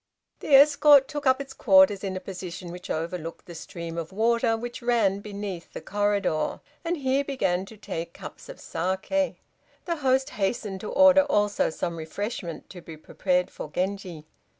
The escort took up its quarters in a position which overlooked the stream of water which ran beneath the corridor, and here began to take cups of saké. The host hastened to order also some refreshment to be prepared for Genji.